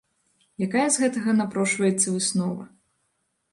Якая з гэтага напрошваецца выснова?